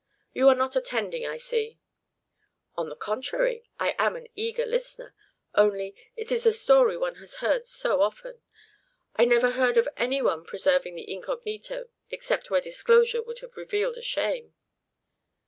You are not attending, I see." "On the contrary, I am an eager listener; only, it is a story one has heard so often. I never heard of any one preserving the incognito except where disclosure would have revealed a shame."